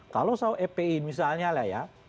kalau soal epi misalnya lah ya